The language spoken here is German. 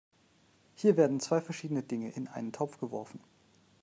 Hier werden zwei verschiedene Dinge in einen Topf geworfen.